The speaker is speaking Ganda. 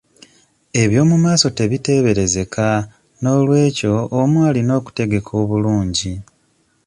Eby'omumaaso tebiteeberezeka; n'olwekyo omu alina okutegeka obulungi.